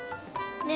ねえ！